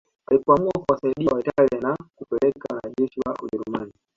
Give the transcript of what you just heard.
Alipoamua kuwasaidia Waitalia na kupeleka wanajeshi wa Ujerumani